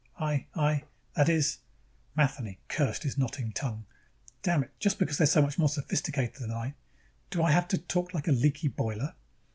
I, I, that is " Matheny cursed his knotting tongue. _Damn it, just because they're so much more sophisticated than I, do I have to talk like a leaky boiler?